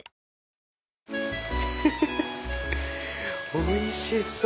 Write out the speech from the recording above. おいしそう！